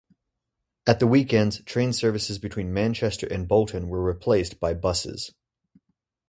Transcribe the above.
At the weekends train services between Manchester and Bolton were replaced by buses.